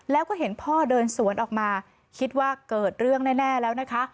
แล้วก็เห็นพ่อเดินสวนออกมาคิดว่าเกิดเรื่องแน่แล้วนะคะ